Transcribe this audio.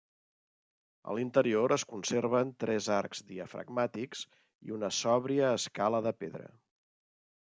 A l'interior es conserven tres arcs diafragmàtics i una sòbria escala de pedra.